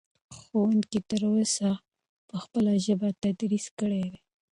ښوونکي تر اوسه په خپله ژبه تدریس کړی دی.